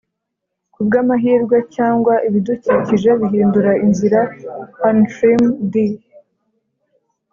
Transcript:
ku bw'amahirwe, cyangwa ibidukikije bihindura inzira, untrimm'd;